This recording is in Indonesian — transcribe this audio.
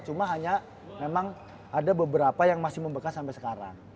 cuma hanya memang ada beberapa yang masih membekas sampai sekarang